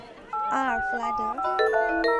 阿尔弗莱德？